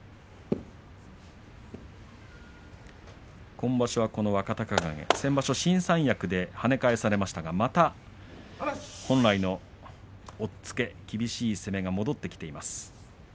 今場所はこの若隆景先場所は新三役ではね返されましたが本来の落ち着いた厳しい攻めが戻ってきています。